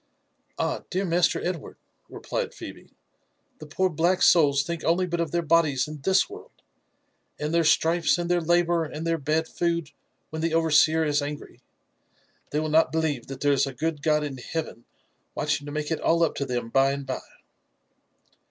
/ ''Ah I dear masterEdwardf" replied Phebe, ''the poor blaek souls think only but of their bodies in this world, and their stripes and Ibeh: labour and their bad food when the overseer is angry. They will not believe that there is a good God in heaven watching to make it all up to them by |ad by."